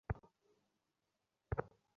তুমি জানতে না ওরা বিয়ে করতে চলেছে।